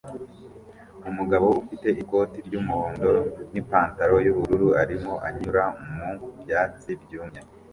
Umugabo ufite ikoti ry'umuhondo n'ipantaro y'ubururu arimo anyura mu byatsi byumye